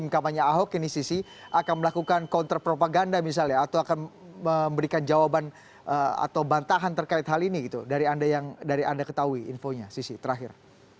kampanye ahok ini sisi akan melakukan counter propaganda misalnya atau akan memberikan jawaban atau bantahan terkait hal ini gitu dari anda ketahui infonya sisi terakhir